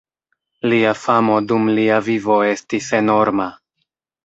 Lia famo dum lia vivo estis enorma.